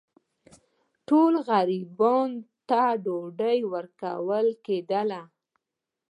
ټولو غریبانو ته ډوډۍ ورکول کېدله.